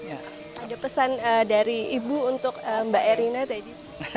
ada pesan dari ibu untuk mbak erina tadi